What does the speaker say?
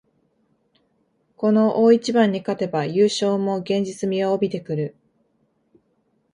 この大一番に勝てば優勝も現実味を帯びてくる